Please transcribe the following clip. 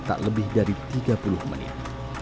tak lebih dari tiga puluh menit